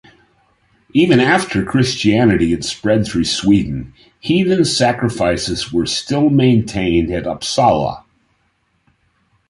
Even after Christianity had spread through Sweden, heathen sacrifices were still maintained at Uppsala.